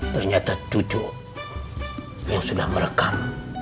ternyata cucu yang sudah merekam